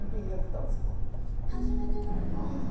「初めてのルーブルは」